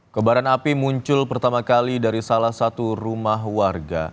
kebaran api muncul pertama kali dari salah satu rumah warga